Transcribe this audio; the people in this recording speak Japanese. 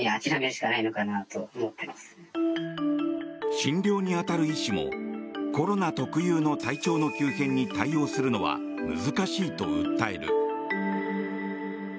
診療に当たる医師もコロナ特有の体調の急変に対応するのは難しいと訴える。